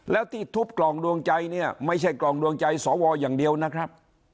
แล้วที่ทุบกล่องดวงใจเนี่ยไม่ใช่กล่องดวงใจสวอย่างเดียวนะครับ